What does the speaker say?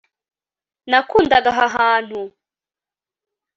Nakundaga aha hantu